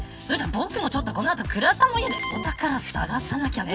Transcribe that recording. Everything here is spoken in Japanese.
僕もちょっと倉田の家でお宝、探さなきゃね。